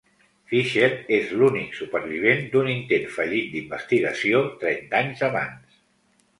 Fischer és l'únic supervivent d'un intent fallit d'investigació trenta anys abans.